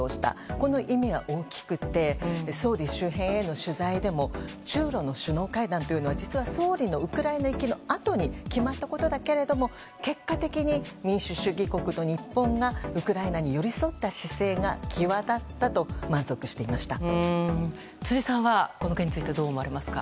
この意味は大きくて総理周辺への取材でも中ロの首脳会談というのは総理のウクライナ行きのあとに決まったことだけれども結果的に民主主義国家の日本がウクライナに寄り添った姿勢が際立ったと辻さんは、この件についてどう思われますか？